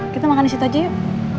kita makan disitu aja yuk